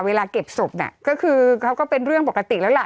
เวลาเก็บศพน่ะก็คือเขาก็เป็นเรื่องปกติแล้วล่ะ